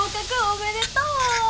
おめでとう！